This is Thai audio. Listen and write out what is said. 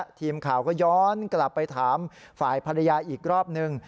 ทีมข่าวก็ย้อนกลับไปถามฝ่ายภรรยาอีกรอบนึง